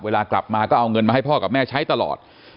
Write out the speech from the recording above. เวลากลับมาก็เอาเงินมาให้พ่อกับแม่ใช้ตลอด